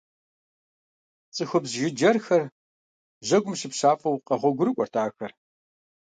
ЦӀыхубз жыджэрхэр жьэгум щыпщафӀэу къэгъуэгурыкӀуэрт ахэр.